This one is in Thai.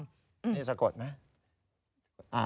นี่สะกดไหม